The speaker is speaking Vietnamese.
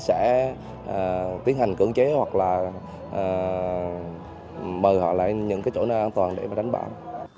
sẽ tiến hành cưỡng chế hoặc là mời họ lại những chỗ nào an toàn để đánh bão